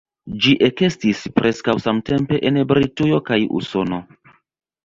Ĝi ekestis preskaŭ samtempe en Britujo kaj Usono.